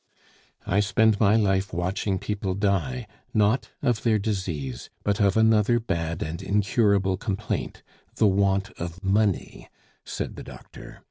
"I spend my life watching people die, not of their disease, but of another bad and incurable complaint the want of money," said the doctor.